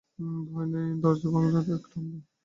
ভয় নেই অখিল, দরজা ভাঙবার আগেই তাকে ঠাণ্ডা করব।